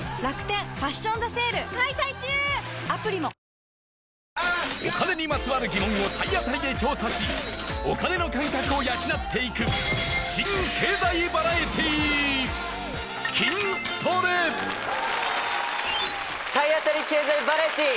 昨今より賢くさらにお金にまつわる疑問を体当たりで調査しお金の感覚を養っていく新経済バラエティー体当たり経済バラエティー！